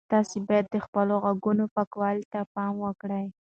تاسي باید د خپلو غوږونو پاکوالي ته پام وکړئ.